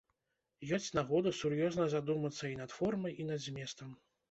Ёсць нагода сур'ёзна задумацца і над формай, і над зместам.